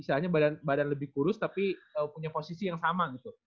misalnya badan lebih kurus tapi punya posisi yang sama gitu